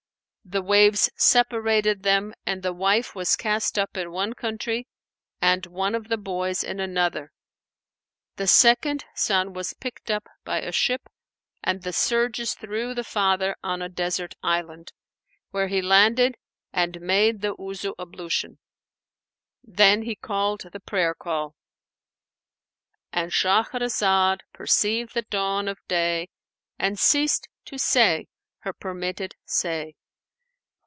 The waves separated them and the wife was cast up in one country and one of the boys in another. The second son was picked up by a ship, and the surges threw the father on a desert island, where he landed and made the Wuzu ablution. Then he called the prayer call,—And Shahrazad perceived the dawn of day and ceased to say her permitted say.